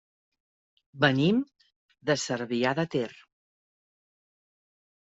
Venim de Cervià de Ter.